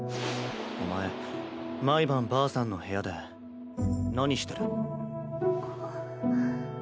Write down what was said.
お前毎晩ばあさんの部屋で何してる？あっ。